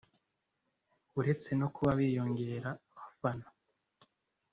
uretse no kuba binyongerera abafana